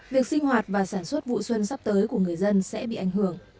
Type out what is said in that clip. việc sinh hoạt và sản xuất vụ xuân sắp tới của người dân sẽ bị ảnh hưởng